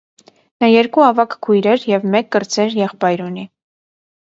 Նա երկու ավագ քույրեր և մեկ կրտսեր եղբայր ունի։